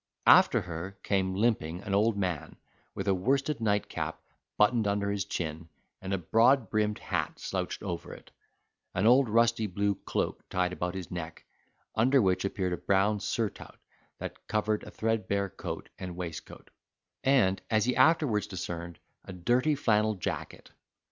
After her came, limping, an old man, with a worsted nightcap buttoned under his chin, and a broad brimmed hat slouched over it, an old rusty blue cloak tied about his neck, under which appeared a brown surtout, that covered a threadbare coat and waistcoat, and, as he afterwards discerned, a dirty flannel jacket.